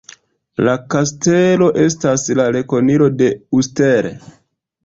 La kastelo estas la rekonilo de Uster.